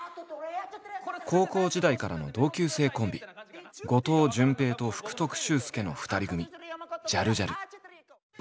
高校時代からの同級生コンビ後藤淳平と福徳秀介の二人組ジャルジャル。